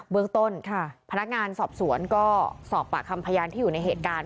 เมืองต้นพนักงานสอบสวนก็สอบปากคำพยานที่อยู่ในเหตุการณ์